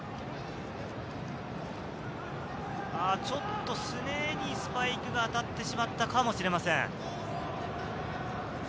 ちょっと脛にスパイクが当たってしまったかもしれません。